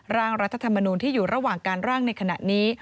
ร่างรัฐธรรมนูลที่อยู่ระหว่างการร่างในขณะนี้